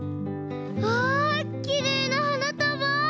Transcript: わあきれいなはなたば！